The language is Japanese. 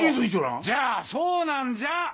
じゃあそうなんじゃ！